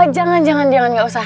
jangan jangan jangan gak usah